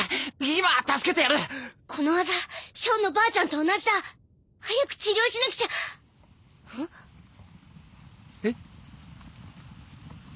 今助けてやるこのアザシャオのばあちゃんと同じだ早く治療しなくちゃえ？